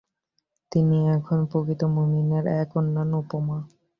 তিনি এখন প্রকৃত মুমিনের এক অনন্য উপমা।